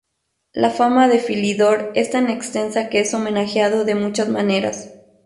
La fama de Philidor es tan extensa que es homenajeado de muchas maneras.